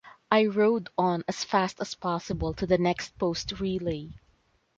I rode on as fast as possible to the next post relay.